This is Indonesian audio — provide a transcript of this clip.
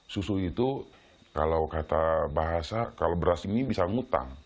susu itu kalau kata bahasa kalau beras ini bisa ngutang